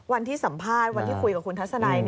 วันที่สัมภาษณ์วันที่คุยกับคุณทัศนัย